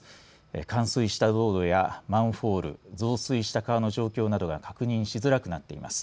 冠水した道路やマンホール増水した川の状況などが確認しづらくなっています。